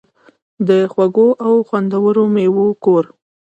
د خوږو او خوندورو میوو کور.